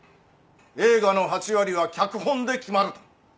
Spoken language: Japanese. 映画の８割は脚本で決まると。